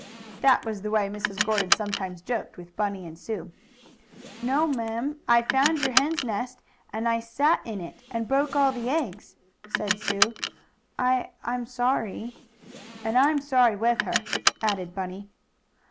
That was the way Mrs. Gordon sometimes joked with Bunny and Sue. "No'm. I found your hen's nest, and I sat in it and broke all the eggs," said Sue. "I I'm sorry." "And I'm sorry with her," added Bunny.